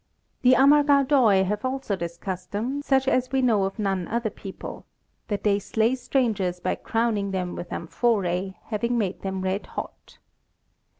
The Amagardoi have also this custom, such as we know of none other people; that they slay strangers by crowning them with amphoræ, having made them red hot.